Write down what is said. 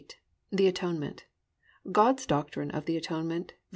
VIII THE ATONEMENT: GOD'S DOCTRINE OF THE ATONEMENT VS.